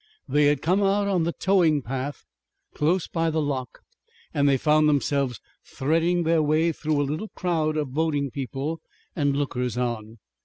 They had come out on the towing path close by the lock and they found themselves threading their way through a little crowd of boating people and lookers on.